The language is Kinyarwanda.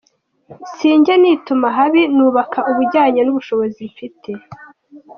Sinjya nituma habi, nubaka ubujyanye n’ubushobozi mfite.